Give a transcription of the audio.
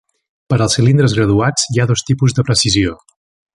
Per als cilindres graduats hi ha dos tipus de precisió.